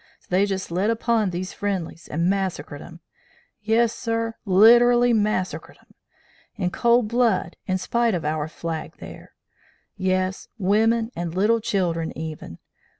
So they jist lit upon these Friendlies, and massacreed 'em yes, sir, literally massacreed 'em in cold blood, in spite of our flag thar yes, women and little children, even!